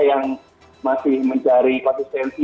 yang masih mencari empat senti